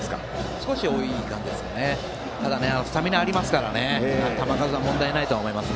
少し多い感じですがスタミナありますから球数は問題ないと思います。